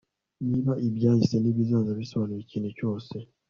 niba ibyahise n'ibizaza bisobanura ikintu cyose